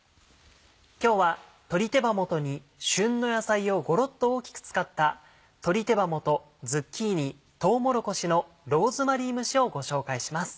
今日は鶏手羽元に旬の野菜をごろっと大きく使った「鶏手羽元ズッキーニとうもろこしのローズマリー蒸し」をご紹介します。